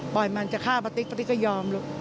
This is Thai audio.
ปล่อยมันจะฆ่าประติกประติกก็ยอมลูก